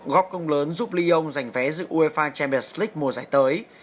góp công lớn giúp lyon giành vé giữa uefa champions league mùa giải tới